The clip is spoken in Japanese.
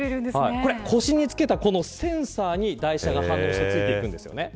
腰に付けたセンサーに台車が反応して付いて行くんですよね。